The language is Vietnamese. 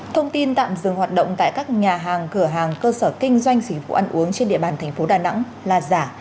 thông tin tạm dừng hoạt động tại các nhà hàng cửa hàng cơ sở kinh doanh dịch vụ ăn uống trên địa bàn thành phố đà nẵng là giả